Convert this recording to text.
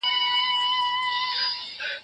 هغه د يو بل منل مهم بلل.